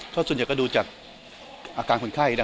เพราะส่วนใหญ่ก็ดูจากอาการคนไข้